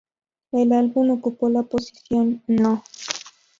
El álbum ocupó la posición No.